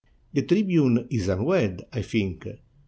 The tribune is unwed, I think.